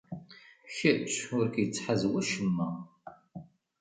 Kečč ur k-ittḥaz wacemma.